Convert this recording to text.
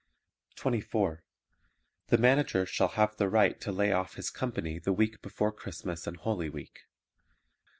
24. The Manager shall have the right to lay off his company the week before Christmas and Holy Week.